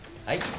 はい。